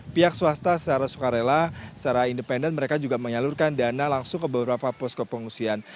pihak swasta secara sukarela secara independen mereka juga menyalurkan dana langsung ke beberapa posko pengungsian